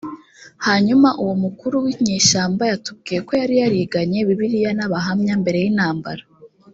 hanyuma uwo mukuru w inyeshyamba yatubwiye ko yari yariganye bibiliya n abahamya mbere y intambara